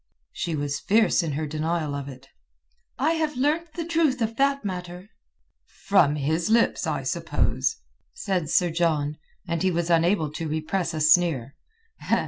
She was fierce in her denial of it. "I have learnt the truth of that matter." "From his lips, I suppose?" said Sir John, and he was unable to repress a sneer.